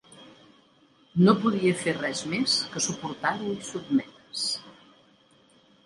No podia fer res més que suportar-ho i sotmetre's.